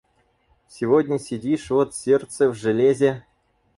Сегодня сидишь вот, сердце в железе.